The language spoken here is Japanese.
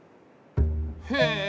へえ！